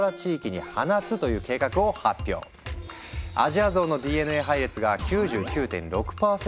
アジアゾウのＤＮＡ配列が９９．６％